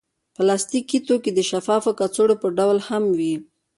پلاستيکي توکي د شفافو کڅوړو په ډول هم وي.